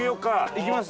行きます？